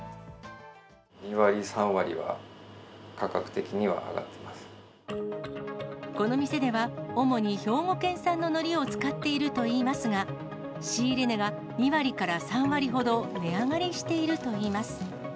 ２割、この店では、主に兵庫県産ののりを使っているといいますが、仕入れ値が２割から３割ほど値上がりしているといいます。